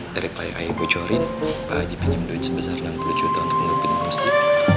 dari pak hai kucorin pak haji pinjam duit sebesar enam puluh juta untuk ngelupin mamsi